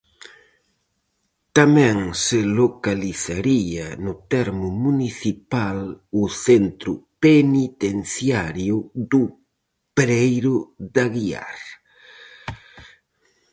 Tamén se localizaría no termo municipal o centro penitenciario do Pereiro de Aguiar.